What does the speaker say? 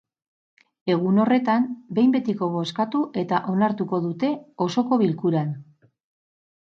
Egun horretan, behin betiko bozkatu eta onartuko dute, osoko bilkuran.